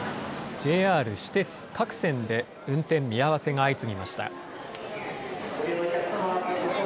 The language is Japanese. ＪＲ、私鉄各線で運転見合わせが相次ぎました。